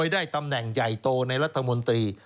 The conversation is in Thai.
ได้ตำแหน่งใหญ่โตในรัฐมนตรี